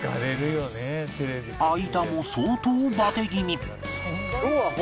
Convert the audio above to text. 相田も相当バテ気味